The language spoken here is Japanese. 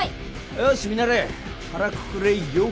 よしミナレ腹くくれよ！